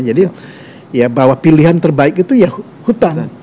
ya bahwa pilihan terbaik itu ya hutan